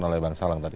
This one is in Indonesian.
oleh bang salang tadi